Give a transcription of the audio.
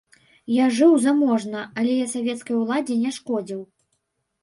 Я жыў заможна, але я савецкай уладзе не шкодзіў.